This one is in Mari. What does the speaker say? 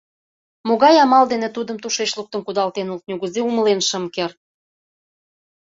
Могай амал дене тудым тушеч луктын кудалтеныт, нигузе умылен шым керт.